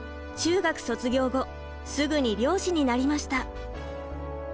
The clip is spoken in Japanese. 中学卒業後すぐに漁師になりました。